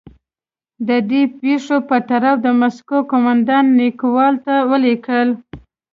د دې پېښو په تړاو د مسکو قومندان نیکولای ته ولیکل.